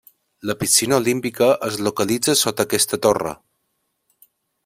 La piscina olímpica es localitza sota aquesta torre.